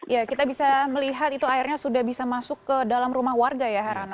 ya kita bisa melihat itu airnya sudah bisa masuk ke dalam rumah warga ya herano